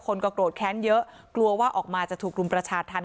คนก็โกรธแค้นเยอะกลัวว่าออกมาจะถูกรุมประชาธรรม